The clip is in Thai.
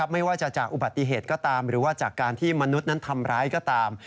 ไม่ว่าจะจากอุบัติเหตุก็ตามหรือว่าจากการที่มนุษย์นั้นทำร้ายก็ตาม